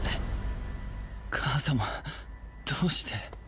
母様どうして？